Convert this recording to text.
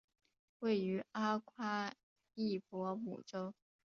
位于阿夸伊博姆州。